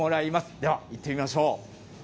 では行ってみましょう。